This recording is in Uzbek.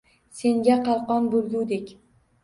Senga qalqon bo’lgudek.